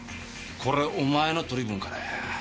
これお前の取り分からや。